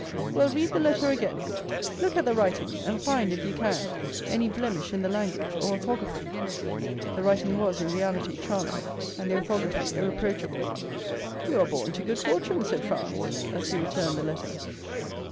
"Well, read the letter again. Look at the writing, and find if you can, any blemish in the language or orthography." The writing was, in reality, charming, and the orthography irreproachable. "You are born to good fortune," said Franz, as he returned the letter.